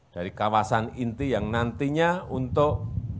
dari kawasan inti yang nantinya untuk